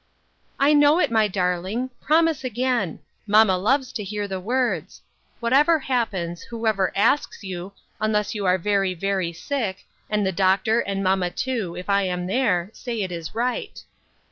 " I know it, my darling ; promise again. Mamma loves to hear the words : Whatever happens, who "W. C. T. U. 135 ever asks you, unless you are very, very sick, and the doctor, and mamma, too, if I am there, say it is right."